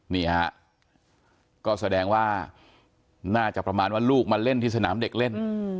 นี่ฮะก็แสดงว่าน่าจะประมาณว่าลูกมาเล่นที่สนามเด็กเล่น